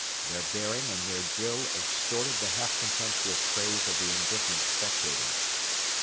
Their bearing and their drill extorted the half contemptuous praise of the indifferent spectators.